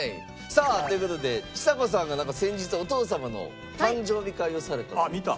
さあという事でちさ子さんが先日お父様の誕生日会をされたと。